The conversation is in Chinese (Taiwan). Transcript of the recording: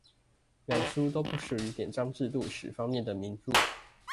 兩書都不屬於典章制度史方面的名著